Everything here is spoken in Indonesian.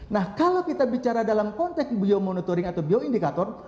nah kalau kita bicara dalam konteks biomonitoring atau bioindikator